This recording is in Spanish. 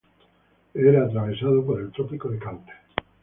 Era atravesado por el trópico de Cáncer.